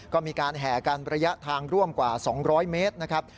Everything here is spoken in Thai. ก็มีการแห่กันระยะทางร่วมกว่า๒๐๐เมตรนะครับ